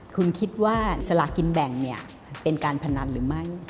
คุณคิดว่าสลากินแบ่งเนี่ยเป็นการพนันหรือไม่